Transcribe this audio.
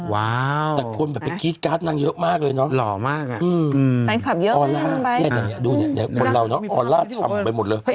ว้าวแต่คนแบบไปกี๊ดการ์ดนั่งเยอะมากเลยเนอะหล่อมากอ่ะอืมแฟนคลับเยอะเนี้ยเนี้ยเนี้ยเนี้ยดูเนี้ยเนี้ยคนเราน้องออลลาร์ชำไปหมดเลย